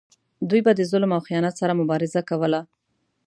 دوی به د ظلم او خیانت سره مبارزه کوله.